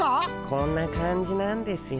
こんな感じなんですよ。